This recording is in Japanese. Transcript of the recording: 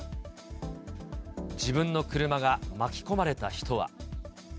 自分の車が巻き込まれた人は。